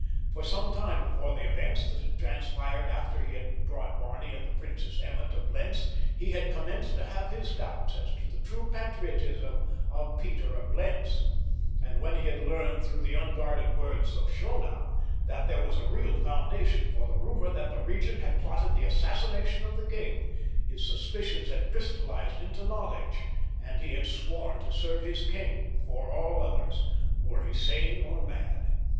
For some time before the events that had transpired after he had brought Barney and the Princess Emma to Blentz he had commenced to have his doubts as to the true patriotism of Peter of Blentz; and when he had learned through the unguarded words of Schonau that there was a real foundation for the rumor that the regent had plotted the assassination of the king his suspicions had crystallized into knowledge, and he had sworn to serve his king before all others—were he sane or mad.